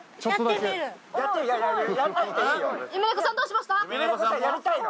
夢猫さんどうしました？